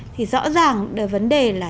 thì rõ ràng vấn đề là